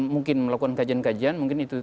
mungkin melakukan kajian kajian mungkin itu